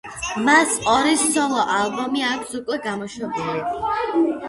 მას ორი სოლო-ალბომი აქვს უკვე გამოშვებული.